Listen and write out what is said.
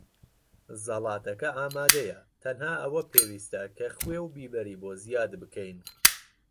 زەڵاتەکە ئامادەیە. تەنها ئەوە پێویستە کە خوێ و بیبەری بۆ زیاد بکەین.